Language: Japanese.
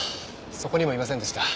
そこにもいませんでした。